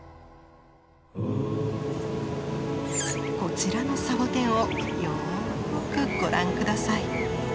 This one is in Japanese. こちらのサボテンをよくご覧下さい。